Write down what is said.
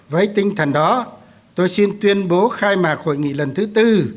với tinh thần đó tôi xin tuyên bố khai mạc hội nghị lần thứ tư